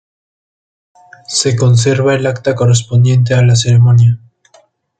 Se conserva el acta correspondiente a la ceremonia.